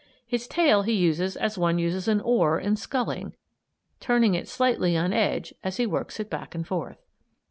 His tail he uses as one uses an oar in sculling, turning it slightly on edge as he works it back and forth.